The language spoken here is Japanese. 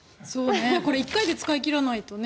これ１回で使い切らないとね。